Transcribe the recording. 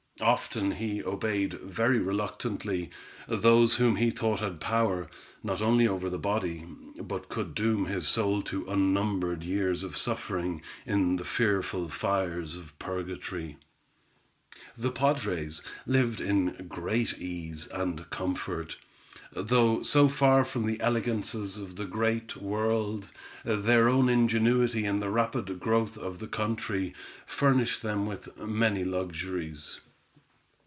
Often he obeyed very reluctantly, those whom he thought had power, not only over the body, but could doom his soul to unnumbered years of suffering, in the fearful fires of purgatory. The padres lived in great ease and comfort; though so far from the elegances of the great world, their own ingenuity and the rapid growth of the country, furnished them with many luxuries.